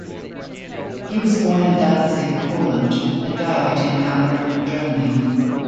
He was born in Danzig, Poland and died in Hamburg, Germany.